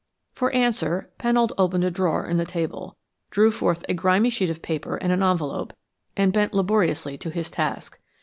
For answer Pennold opened a drawer in the table, drew forth a grimy sheet of paper and an envelope, and bent laboriously to his task.